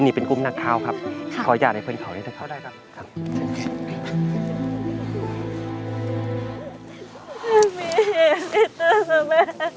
นี่เป็นกุมนักเท้าครับครับขอหย่าในเพลินเท้าได้ครับได้ครับ